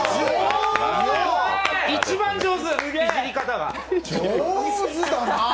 一番上手いじり方が。